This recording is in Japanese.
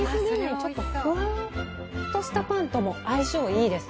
ちょっとふわっとしたパンとも相性いいです。